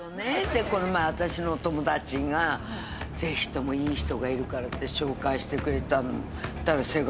この前私のお友達がぜひともいい人がいるからって紹介してくれたの。